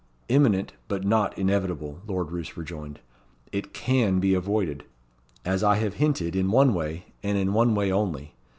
"Imminent, but not inevitable," Lord Roos rejoined. "It can be avoided, as I have hinted, in one way, and in one way only.